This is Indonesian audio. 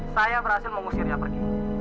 saya berhasil mengusirnya pergi